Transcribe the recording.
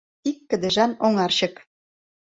Ик кыдежан оҥарчык